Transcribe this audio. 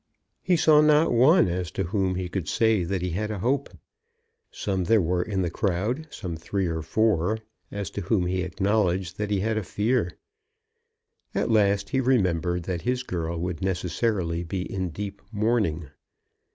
He saw not one as to whom he could say that he had a hope. Some there were in the crowd, some three or four, as to whom he acknowledged that he had a fear. At last he remembered that his girl would necessarily be in deep mourning.